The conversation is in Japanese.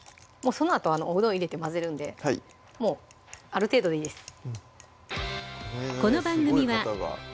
そのあとおうどん入れて混ぜるんでもうある程度でいいです